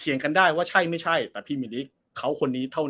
เถียงกันได้ว่าใช่ไม่ใช่แต่พี่มิริคเขาคนนี้เท่า